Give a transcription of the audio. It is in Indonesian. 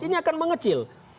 ini akan mengecil